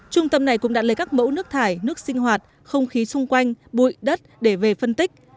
trung tâm này cũng đã lấy các mẫu nước thải nước sinh hoạt không khí xung quanh bụi đất để về phân tích